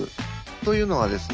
というのはですね